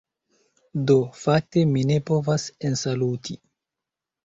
Do fakte mi ne povas ensaluti.